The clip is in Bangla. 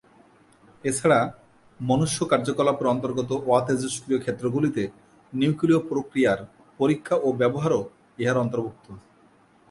এছাড়া, মনুষ্য কার্যকলাপের অন্তর্গত অ-তেজস্ক্রিয় ক্ষেত্রগুলিতে নিউক্লিয় প্রক্রিয়ার পরীক্ষা ও ব্যবহারও ইহার অন্তর্ভুক্ত।